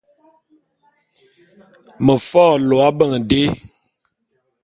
Me fo’o lo ábeñ dé.